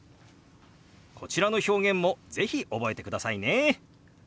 こちらの表現も是非覚えてくださいね。